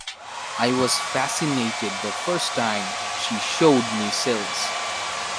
I was fascinated the first time she showed me cells.